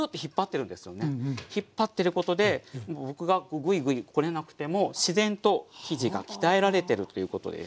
引っ張ってることで僕がグイグイこねなくても自然と生地が鍛えられてるということです。